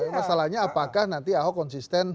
masalahnya apakah nanti ahok konsisten